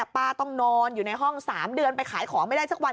ป้าต้องนอนอยู่ในห้อง๓เดือนไปขายของไม่ได้สักวัน